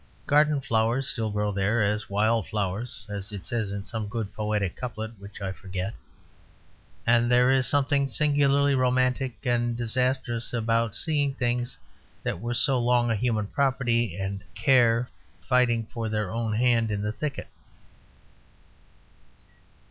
Garden flowers still grow there as wild flowers, as it says in some good poetic couplet which I forget; and there is something singularly romantic and disastrous about seeing things that were so long a human property and care fighting for their own hand in the thicket.